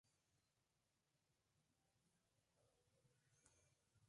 En cualquier caso, lo árabe y lo islámico no le era ajeno.